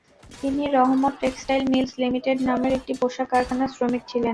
তিনি Rahmat textile mills limited নামের একটি পোশাক কারখানার শ্রমিক ছিলেন।